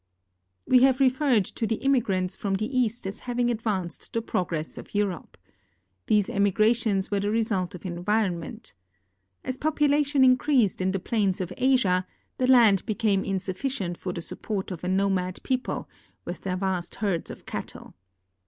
We have referred to the immigrants from the east as having advanced the progress of Europe. These emigrations were the result of environment. As population increased in the plains of Asia, the land became insuflticient for the support of a nomad people, with their vast herds of cattle.